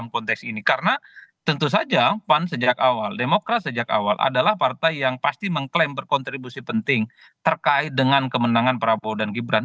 karena tentu saja pan sejak awal demokrat sejak awal adalah partai yang pasti mengklaim berkontribusi penting terkait dengan kemenangan prabowo dan gibran